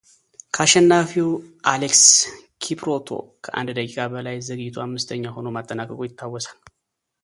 ከአሸናፊው አሌክስ ኪፕሩቶ ከአንድ ደቂቃ በላይ ዘግይቶ አምስተኛ ሆኖ ማጠናቀቁ ይታወሳል።